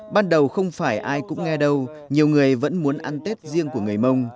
ban đầu không phải ai cũng nghe đâu nhiều người vẫn muốn ăn tết riêng của người mông